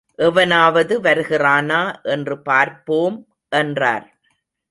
எவனாவது வருகிறானா என்று பார்ப்போம் என்றார்.